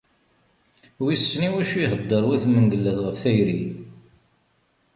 Wissen iwacu ihedder Wat Mengellat ɣef tayri!